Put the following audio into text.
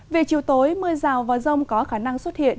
về chiều tối mưa rào và rông có khả năng xuất hiện